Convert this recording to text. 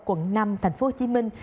quận năm thành phố hồ chí minh